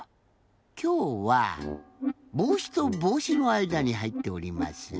きょうはぼうしとぼうしのあいだにはいっております。